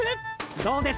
どうです？